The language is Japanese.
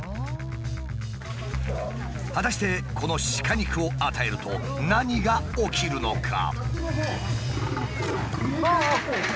果たしてこの鹿肉を与えると何が起きるのか？